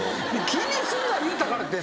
気にすんな言うたからって。